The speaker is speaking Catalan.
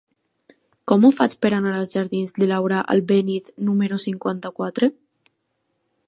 Com ho faig per anar als jardins de Laura Albéniz número cinquanta-quatre?